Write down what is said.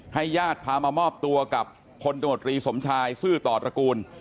ญาติพามามอบตัวกับพลตมตรีสมชายซื่อต่อตระกูล